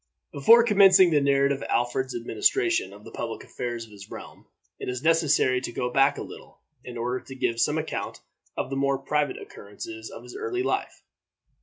Before commencing the narrative of Alfred's administration of the public affairs of his realm, it is necessary to go back a little, in order to give some account of the more private occurrences of his early life.